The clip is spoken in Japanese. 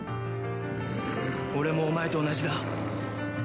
俺もお前と同じだ。